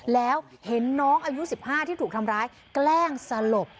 แล้วเห็นน้องอายุ๑๕ที่ถูกทำร้ายแกล้งสลบ